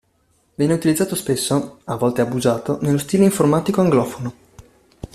Viene utilizzato spesso (a volte abusato) nello stile informatico anglofono.